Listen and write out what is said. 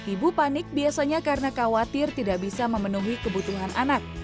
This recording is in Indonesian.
ibu panik biasanya karena khawatir tidak bisa memenuhi kebutuhan anak